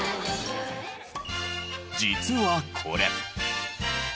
実はこれ。